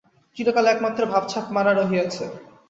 চিরকাল একমাত্র ভাব ছাপ মারা রহিয়াছে।